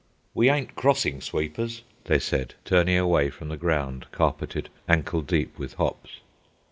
"We ayn't crossin' sweepers," they said, turning away from the ground, carpeted ankle deep with hops.